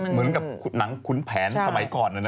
เหมือนกับหนังคุ้นแผนสมัยก่อนอันนั้นนะ